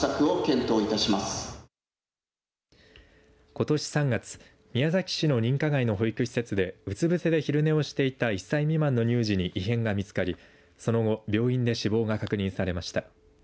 ことし３月宮崎市の認可外の保育施設でうつ伏せで昼寝をしていた１歳未満の乳児に異変が見つかりその後病院で死亡が確認されました。